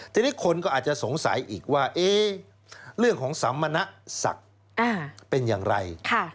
ทีนี้คนก็อาจจะสงสัยอีกว่าเรื่องของสัมมณศักดิ์เป็นอย่างไร